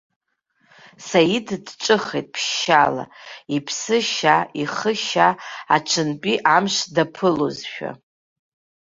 Саид дҿыхеит ԥшьшьала, иԥсы-шьа, ихы-шьа аҽынтәи амш даԥылозшәа.